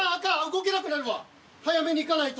動けなくなるわ早めにいかないと。